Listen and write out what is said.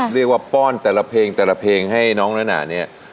เรียกว่าป้อนแต่เพลงให้น้องนะหนะนี่